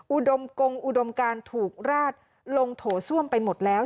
อุดมกงอุดมการถูกราดลงโถส้วมไปหมดแล้ว